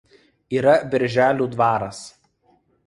Yra Birželių dvaras.